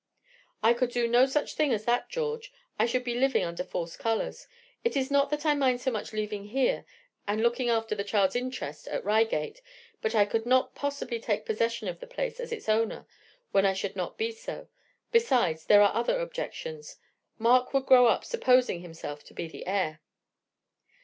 "I could not do such a thing as that, George. I should be living under false colors. It is not that I mind so much leaving here and looking after the child's interest at Reigate, but I could not possibly take possession of the place as its owner when I should not be so. Besides, there are other objections. Mark would grow up supposing himself to be the heir."